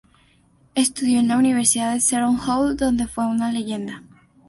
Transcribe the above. Estudió en la Universidad de Seton Hall, donde fue una leyenda.